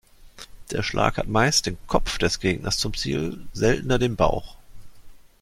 Der Schlag hat meist den Kopf des Gegners zum Ziel, seltener den Bauch.